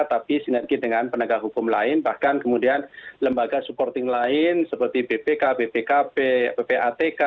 tapi sinergi dengan penegak hukum lain bahkan kemudian lembaga supporting lain seperti bpk bpkp ppatk